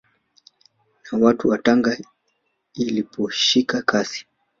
Na watu wa Tanga iliposhika kasi